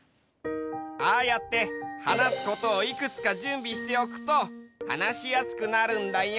ああやって話すことをいくつか準備しておくと話しやすくなるんだよ。